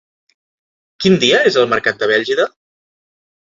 Quin dia és el mercat de Bèlgida?